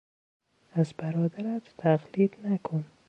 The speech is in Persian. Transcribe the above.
از برادرت تقلید نکن!